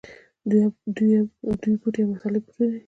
دوی بوټي او مسالې پلوري.